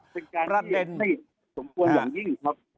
เป็นการที่สมควรอย่างนี้ครับ